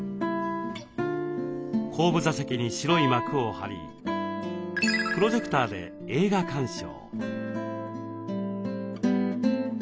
後部座席に白い幕を張りプロジェクターで映画鑑賞。